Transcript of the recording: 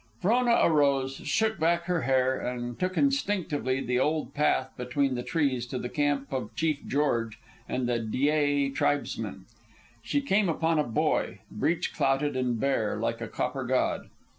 Frona arose, shook back her hair, and took instinctively the old path between the trees to the camp of Chief George and the Dyea tribesmen. She came upon a boy, breech clouted and bare, like a copper god.